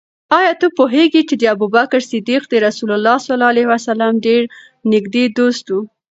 آیا ته پوهېږې چې ابوبکر صدیق د رسول الله ص ډېر نږدې دوست و؟